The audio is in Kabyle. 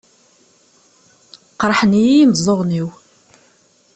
Qeṛḥen-iyi imeẓẓuɣen-iw.